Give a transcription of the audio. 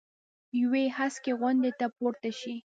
یوې هسکې غونډۍ ته پورته شي.